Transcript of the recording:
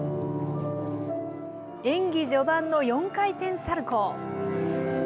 演技序盤の４回転サルコー。